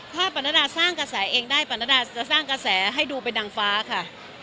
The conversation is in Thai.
ถ้าปรณดาสร้างกระแสเองได้ปรณดาจะสร้างกระแสให้ดูเป็นนางฟ้าค่ะ